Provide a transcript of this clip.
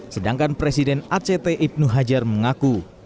sedangkan presiden act ibnu hajar mengaku